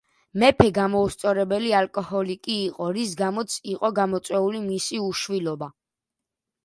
მეფე გამოუსწორებელი ალკოჰოლიკი იყო, რის გამოც იყო გამოწვეული მისი უშვილობა.